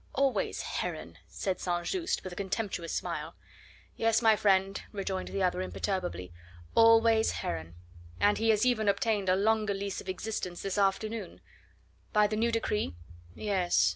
"Always Heron!" said St. Just, with a contemptuous smile. "Yes, my friend," rejoined the other imperturbably, "always Heron. And he has even obtained a longer lease of existence this afternoon." "By the new decree?" "Yes.